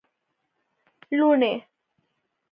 لوڼی